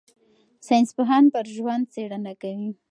ساینسپوهان پر ژوند څېړنه کوي.